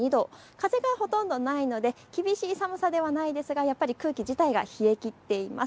風がほとんどないので厳しい寒さではないですが空気自体が冷えきっています。